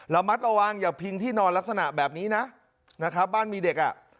ระมัดระวังอย่าพิงที่นอนลักษณะแบบนี้นะนะครับบ้านมีเด็กอ่ะ